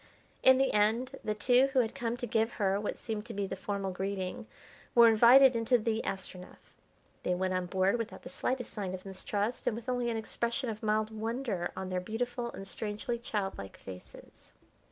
In the end the two who had come to give her what seemed to be the formal greeting, were invited into the Astronef. They went on board without the slightest sign of mistrust and with only an expression of mild wonder on their beautiful and strangely childlike faces.